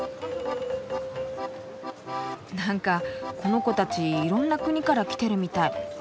なんかこの子たちいろんな国から来てるみたい。